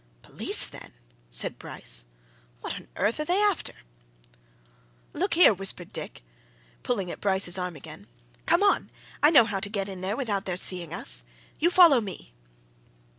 "Police, then!" said Bryce. "What on earth are they after?" "Look here!" whispered Dick, pulling at Bryce's arm again. "Come on! I know how to get in there without their seeing us. You follow me."